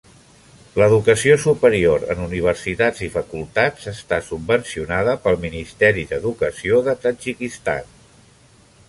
L'educació superior en universitats i facultats està subvencionada pel Ministeri d'Educació de Tadjikistan.